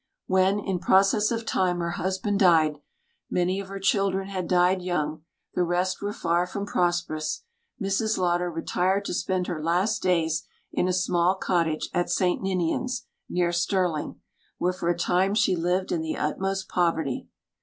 When, in process of time, her husband died many of her children had died young, the rest were far from prosperous Mrs Lauder retired to spend her last days in a small cottage at St Ninian's, near Stirling, where for a time she lived in the utmost poverty.